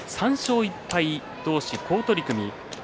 ３勝１敗同士、好取組です。